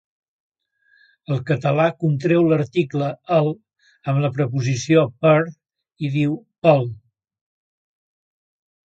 El català contreu l'article "el" amb la preposició "per" i diu "pel".